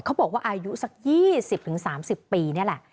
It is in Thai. เขาบอกว่าอายุสัก๒๐๓๐ปีนี่แหละ